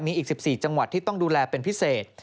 มีอีก๑๔จังหวัดที่ต้องดูแลเป็นพิเศษ